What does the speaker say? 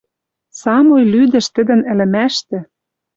Самой лӱдӹш тӹдӹн ӹлӹмӓштӹ